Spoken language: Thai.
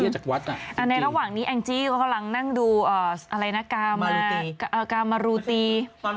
ในระหว่างนี้แอ็งจีก็ดูอะไรนะกามารูตี้